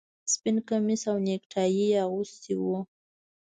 سپین کمیس او نیکټايي یې اغوستي وو